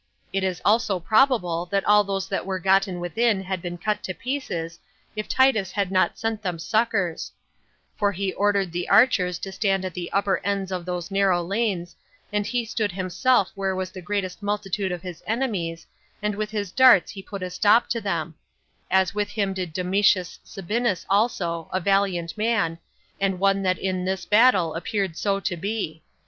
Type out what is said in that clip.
It is also probable that all those that were gotten within had been cut to pieces, if Titus had not sent them succors; for he ordered the archers to stand at the upper ends of these narrow lanes, and he stood himself where was the greatest multitude of his enemies, and with his darts he put a stop to them; as with him did Domitius Sabinus also, a valiant man, and one that in this battle appeared so to be.